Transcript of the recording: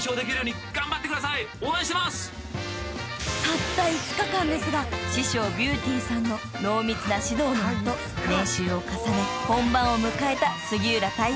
［たった５日間ですが師匠ビューティーさんの濃密な指導の下練習を重ね本番を迎えた杉浦太陽さん］